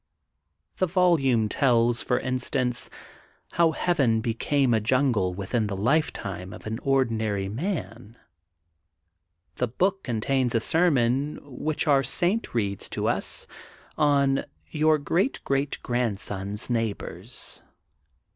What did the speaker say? The volume tells, for instance, how Heaven became a jungle within the lifetime of an ordinary man. The book contains a sermon, which our saint reads to us, on: Your great great grandson's neighbor's.